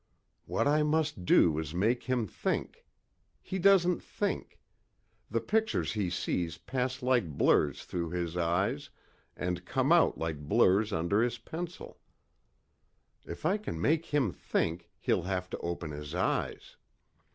"What I must do, is make him think. He doesn't think. The pictures he sees pass like blurs through his eyes and come out like blurs under his pencil. If I can make him think he'll have to open his eyes.